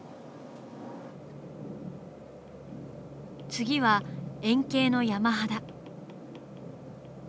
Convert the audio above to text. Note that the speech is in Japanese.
次は遠景の山肌。